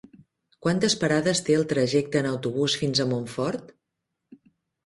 Quantes parades té el trajecte en autobús fins a Montfort?